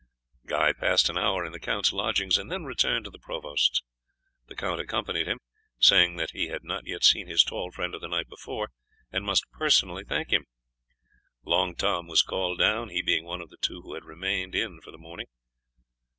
Guy passed an hour in the count's lodgings and then returned to the provost's. The count accompanied him, saying that he had not yet seen his tall friend of the night before, and must personally thank him. Long Tom was called down, he being one of the two who had remained in for the morning.